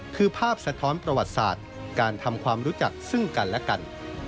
คือภาพสะท้อนประวัติศาสตร์การทำความรู้จักซึ่งกันและกัน